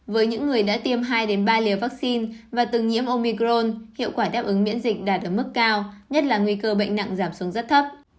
với những người đã tiêm hai ba liều vaccine và từng nhiễm omicron hiệu quả đáp ứng miễn dịch đạt ở mức cao nhất là nguy cơ bệnh nặng giảm xuống rất thấp